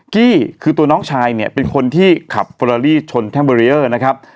กี้คือตัวน้องชายเนี่ยเป็นคนที่ขับเฟอราลีชนแท่งเบรีเออร์นะครับ